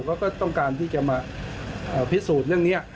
ก็ต้องการที่จะมาพิสูจน์เรื่องนี้